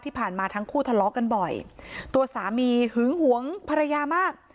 ทั้งคู่ทะเลาะกันบ่อยตัวสามีหึงหวงภรรยามาก